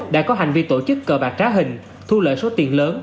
đã có hành vi tổ chức cờ bạc trá hình thu lợi số tiền lớn